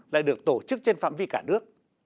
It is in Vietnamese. lại được tổ chức trên phạm vi cả nước